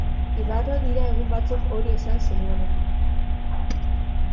Igaro dira egun batzuk hori esan zenuenetik.